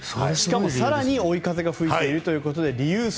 しかも更に追い風が吹いているということで理由